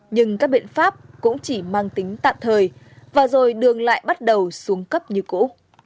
nhưng các biện pháp cũng chỉ mang tính tạm thời và rồi đường lại bắt đầu xuống cấp như cũ